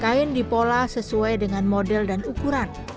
kain di pola sesuai dengan model dan ukuran